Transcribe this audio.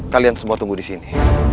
kalian semua tunggu disini